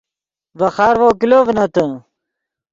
ڤے خارڤو کلو ڤنتے